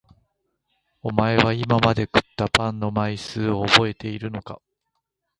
おまえは今まで食ったパンの枚数をおぼえているのか？